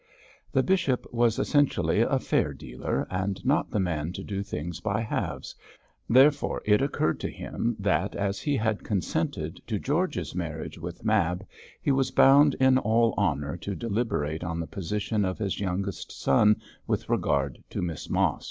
The bishop was essentially a fair dealer, and not the man to do things by halves, therefore it occurred to him that, as he had consented to George's marriage with Mab, he was bound in all honour to deliberate on the position of his youngest son with regard to Miss Mosk.